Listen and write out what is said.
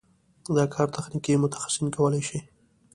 دا کار تخنیکي متخصصین کولی شي.